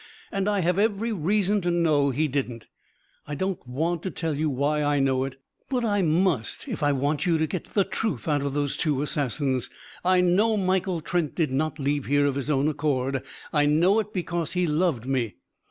"And I have every reason to know he didn't. I don't want to tell why I know it. But I must, if I want you to get the truth out of those two assassins. I know Michael Trent did not leave here of his own accord. I know it because he loved me.